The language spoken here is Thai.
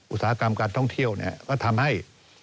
อุตสาหกรรมการท่องเที่ยวก็ทำให้